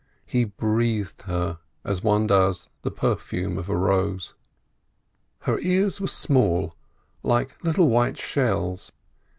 He breathed her as one does the perfume of a rose. Her ears were small, and like little white shells.